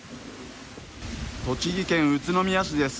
栃木県宇都宮市です。